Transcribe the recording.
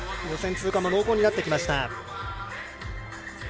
予選通過も濃厚になりました。